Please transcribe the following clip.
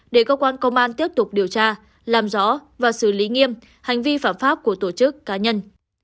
để cơ quan công an tiếp tục điều tra làm rõ và xử lý nghiêm hành vi phạm pháp của tổ chức cá nhân